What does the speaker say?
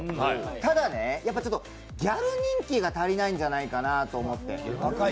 ただね、ギャル人気が足りないんじゃないかなと思って。